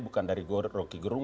bukan dari rocky gerung